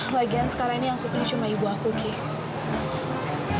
lagian sekarang ini aku pilih cuma ibu aku kay